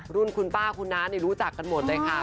รุ่นคุณป้าคุณน้ารู้จักกันหมดเลยค่ะ